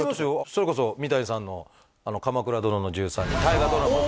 それこそ三谷さんの「鎌倉殿の１３人」大河ドラマ